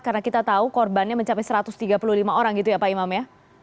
karena kita tahu korbannya mencapai satu ratus tiga puluh lima orang gitu ya pak imam ya